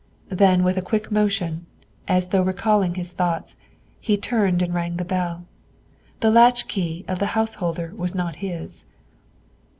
Then with a quick motion, as though recalling his thoughts, he turned and rang the bell. The latchkey of the householder was not his.